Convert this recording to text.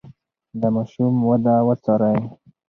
د ماشوم وده وڅارئ.